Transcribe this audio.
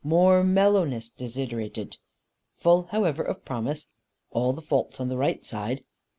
More mellowness desiderated. Full however of promise. All the faults on the right side.